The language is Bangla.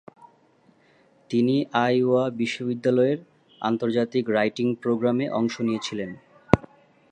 তিনি আইওয়া বিশ্ববিদ্যালয়ের আন্তর্জাতিক রাইটিং প্রোগ্রামে অংশ নিয়েছিলেন।